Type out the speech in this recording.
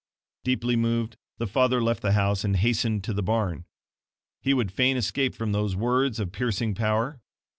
"] Deeply moved, the father left the house and hastened to the barn. He would fain escape from those words of piercing power.